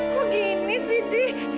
kok gini sih di